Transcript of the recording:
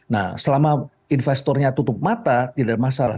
nah selama investornya tutup mata tidak ada masalah